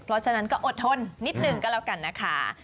เพราะฉะนั้นก็อดทนนิดหนึ่งก็แล้วกันนะคะ